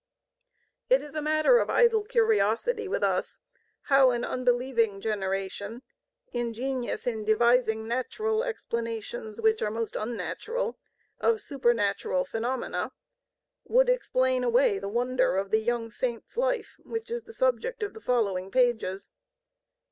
It is a matter of idle curiosity with us how an unbelieving generation, ingenious in devising natural explanations (which are most unnatural) of supernatural phenomena, would explain away the wonder of the young Saint's life which is the subject of the following pages.